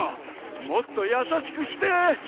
もっとやさしくして！